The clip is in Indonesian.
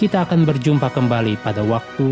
kita akan berjumpa kembali pada waktu